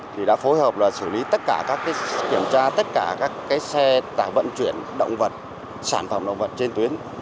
thì đã phối hợp là xử lý tất cả các kiểm tra tất cả các xe vận chuyển động vật sản phẩm động vật trên tuyến